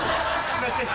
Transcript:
すいません。